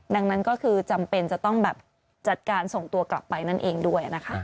ดังนั้นก็คือจำเป็นจะต้องแบบจัดการส่งตัวกลับไปนั่นเองด้วยนะคะ